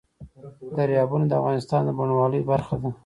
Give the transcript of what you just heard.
دریابونه د افغانستان د بڼوالۍ برخه ده.